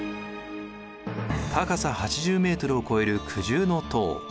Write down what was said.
高さ８０ｍを超える九重塔。